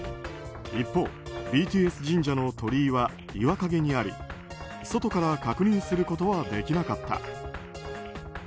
一方、ＢＴＳ神社の鳥居は岩陰にあり外から確認することはできなかった。